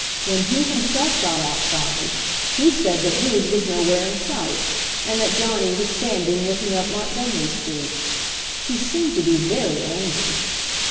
When he himself got outside, he said that Rood was nowhere in sight and that Johnny was standing looking up Montgomery Street. He seemed to be very angry.